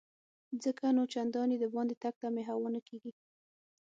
ځکه نو چنداني دباندې تګ ته مې هوا نه کیږي.